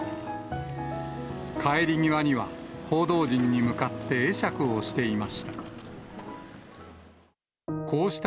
帰り際には、報道陣に向かって会釈をしていました。